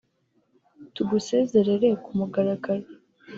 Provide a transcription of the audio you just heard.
tugusezerere ku mugaragaro